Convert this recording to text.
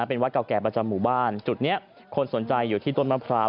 เป็นวัดเก่าแก่ประจำหมู่บ้านจุดนี้คนสนใจอยู่ที่ต้นมะพร้าว